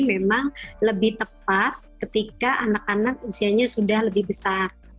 memang lebih tepat ketika anak anak usianya sudah lebih besar